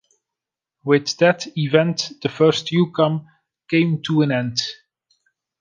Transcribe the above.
With that event the first Yukam came to an end.